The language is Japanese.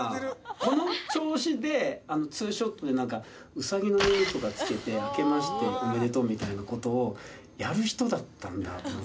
この調子で２ショットで何かうさぎの耳とかつけて「あけましておめでとう」みたいなことをやる人だったんだと思って。